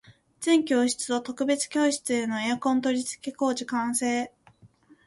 全教室と特別教室へのエアコン取り付け工事完成